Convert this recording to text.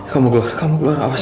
kamu keluar kamu keluar apa